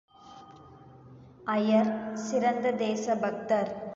ஐயர் சிறந்த தேசபக்தர்.